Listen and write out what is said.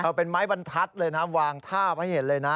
เอาเป็นไม้บรรทัศน์เลยนะวางทาบให้เห็นเลยนะ